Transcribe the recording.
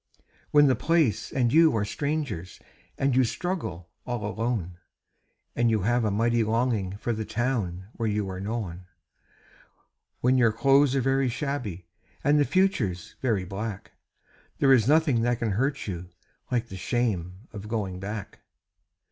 When the place and you are strangers and you struggle all alone, And you have a mighty longing for the town where you are known; When your clothes are very shabby and the future's very black, There is nothing that can hurt you like the shame of going back.